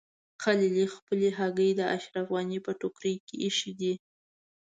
خلیلي خپلې هګۍ د اشرف غني په ټوکرۍ کې ایښي دي.